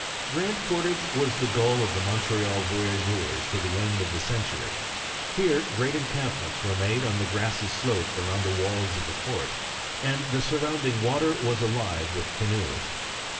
Grand Portage was the goal of the Montreal voy ageurs till the end of the century. Here great encamp ments were made on the grassy slope around the walls of the fort, and the surrounding water was alive with canoes.